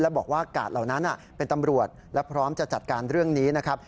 บอกว่ากาดเหล่านั้นเป็นตำรวจและพร้อมจะจัดการเรื่องนี้นะครับ